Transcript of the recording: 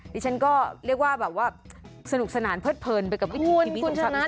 ดิฉันก็เรียกว่าแบบว่าสนุกสนานเพิดเพลินไปกับวิถีชีวิตของฉัน